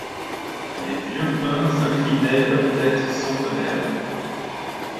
Les vieux pins inclinaient leurs têtes centenaires